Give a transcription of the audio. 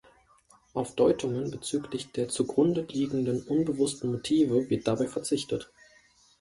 Auf Deutungen bezüglich der zugrunde liegenden unbewussten Motive wird dabei verzichtet.